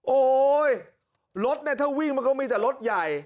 โอ้โหรถเนี่ยถ้าวิ่งมันก็มีแต่รถใหญ่